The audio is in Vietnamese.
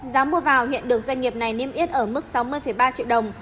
giá mua vào hiện được doanh nghiệp này niêm yết ở mức sáu mươi ba triệu đồng